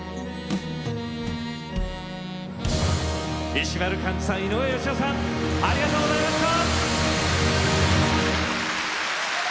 石丸幹二さん井上芳雄さんありがとうございました。